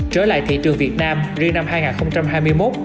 trở lại thị trường việt nam riêng năm hai nghìn hai mươi một